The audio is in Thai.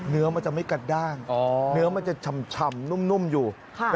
เนื้อมันจะไม่กระด้างเนื้อมันจะชำนุ่มอยู่